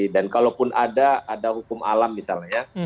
dan kalaupun ada ada hukum alam misalnya